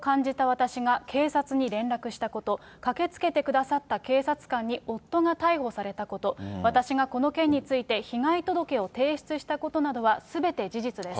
私が警察に連絡したこと、駆けつけてくださった警察官に夫が逮捕されたこと、私がこの件について被害届を提出したことなどはすべて事実です。